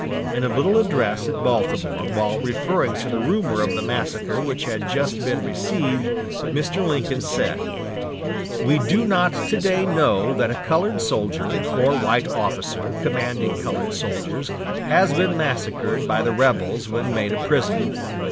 In a little address at Baltimore, while referring to the rumor of the massacre which had just been received, Mr. Lincoln said: "We do not to day know that a colored soldier, or white officer commanding colored soldiers, has been massacred by the rebels when made a prisoner.